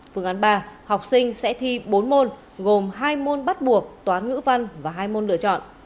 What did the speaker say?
phương án ba học sinh sẽ thi bốn môn gồm hai môn bắt buộc toán ngữ văn và hai môn lựa chọn